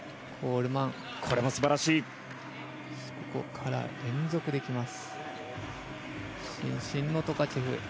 そこから連続で、きます。